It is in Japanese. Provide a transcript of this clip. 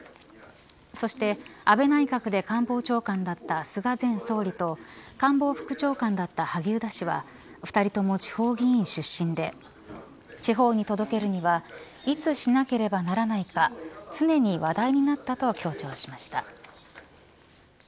そして、安倍内閣で官房長官だった菅前総理と官房副長官だった萩生田氏は２人とも地方議員出身で地方に届けるにはいつしなければならないか常に話題になったと強調しました。